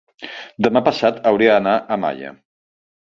demà passat hauria d'anar a Malla.